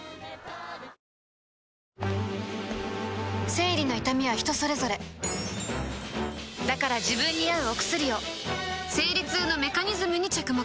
生理の痛みは人それぞれだから自分に合うお薬を生理痛のメカニズムに着目